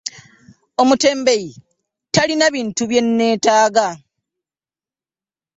Omutembeeyi talina bintu bye nneetaaga.